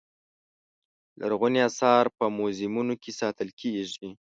لرغوني اثار په موزیمونو کې ساتل کېږي.